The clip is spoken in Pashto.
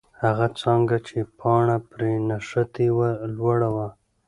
هغه څانګه چې پاڼه پرې نښتې وه، لوړه وه.